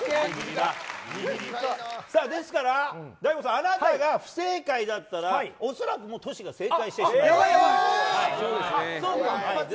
ですから、大悟さんあなたが不正解だったら恐らくトシが正解してしまいます。